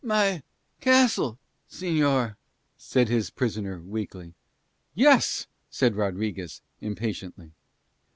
"My castle, señor?" said his prisoner weakly. "Yes," said Rodriguez impatiently.